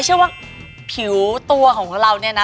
เชื่อว่าผิวตัวของเราเนี่ยนะ